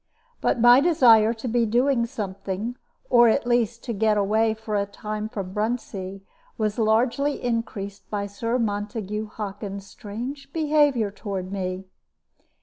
But my desire to be doing something, or, at least, to get away for a time from Bruntsea, was largely increased by Sir Montague Hockin's strange behavior toward me.